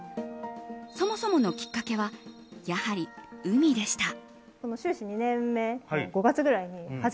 そもそものきっかけはやはり海でした。